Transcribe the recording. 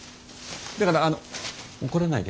だからあの怒らないで。